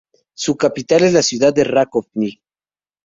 Su capital es la ciudad de Rakovník.